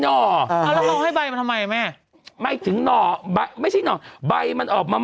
ห่อเอาแล้วเขาให้ใบมาทำไมแม่ไม่ถึงหน่อใบไม่ใช่หน่อใบมันออกมา